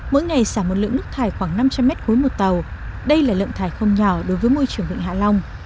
mỗi ngày xả một lượng nước thải khoảng năm trăm linh mét khối một tàu đây là lượng thải không nhỏ đối với môi trường vịnh hạ long